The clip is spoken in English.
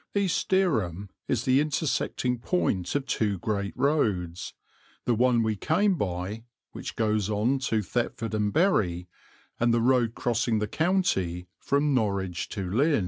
East Dereham is the intersecting point of two great roads, the one we came by, which goes on to Thetford and Bury, and the road crossing the county from Norwich to Lynn.